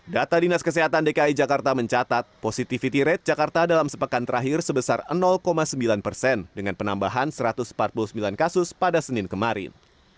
data dinas kesehatan dki jakarta mencatat positivity rate jakarta dalam sepekan terakhir sebesar sembilan persen dengan penambahan satu ratus empat puluh sembilan kasus pada senin kemarin